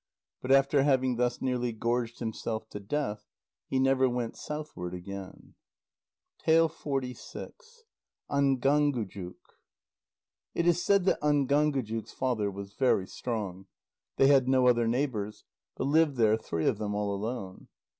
But after having thus nearly gorged himself to death, he never went southward again. ÁNGÁNGUJUK It is said that Ángángujuk's father was very strong. They had no other neighbours, but lived there three of them all alone.